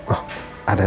oh ada dua pak